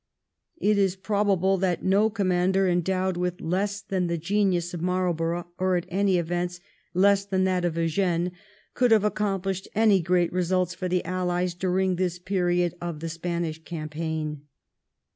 It is probable that no commander endowed with less than the genius of Marlborough, or at all events, less than that of Eugene, could have accomplished any great results for the Allies during this period of the Spanish campaign.